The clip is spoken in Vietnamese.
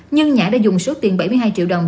nhưng nhã đã dùng số tiền bảy mươi hai triệu đồng